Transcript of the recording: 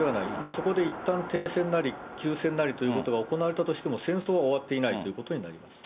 そこでいったん停戦なり、休戦なりということが行われたとしても、戦争は終わっていないということになります。